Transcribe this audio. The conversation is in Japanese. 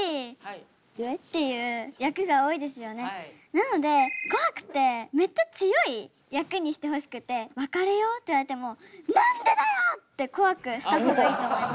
なので怖くてめっちゃ強い役にしてほしくて別れようって言われても「何でだよ！」って怖くした方がいいと思います。